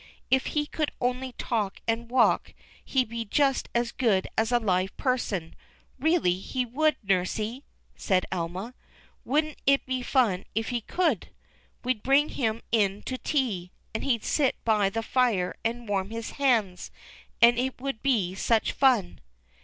" If he could only talk and walk, he'd be just as good as a live person, really he would, Nursey," said Elma. "Woiddn't it be fun if he could! We'd bring him in to tea, and he'd sit by the fire and warm his hands, and it would be such fun."